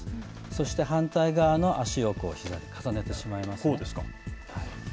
そして反対側の脚を膝に重ねてしまいます。